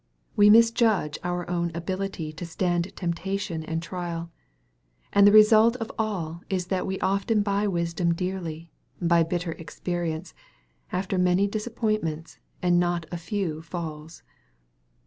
We misjudge our own ability to stand temptation and trial. And the result of all is that we often buy wisdom dearly, by bitter experience, after many disappointments, and not a few falls.